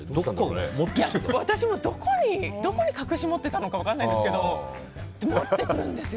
私もどこに隠し持っていたか分からないんですけど持ってきます。